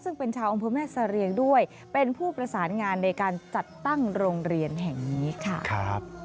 ซึ่งเป็นชาวอำเภอแม่เสรียงด้วยเป็นผู้ประสานงานในการจัดตั้งโรงเรียนแห่งนี้ค่ะ